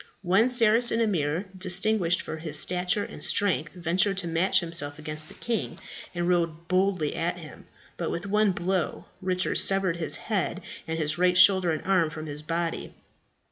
One Saracen emir, distinguished for his stature and strength, ventured to match himself against the king, and rode boldly at him. But with one blow Richard severed his head, and his right shoulder and arm, from his body.